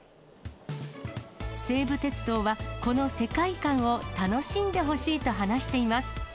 西武鉄道は、この世界観を楽しんでほしいと話しています。